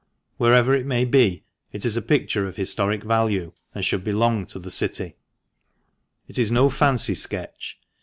Wherever it may be, it is a picture of historic value, and should belong to the City. It is no fancy sketch.